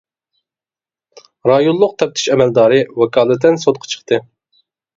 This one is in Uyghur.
رايونلۇق تەپتىش ئەمەلدارى ۋاكالىتەن سوتقا چىقتى.